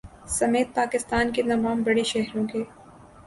سمیت پاکستان کے تمام بڑے شہروں کے